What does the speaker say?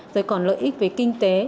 rồi còn lợi ích về kinh tế